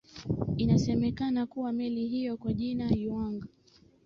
inasemekana kuwa meli hiyo kwa jina yuang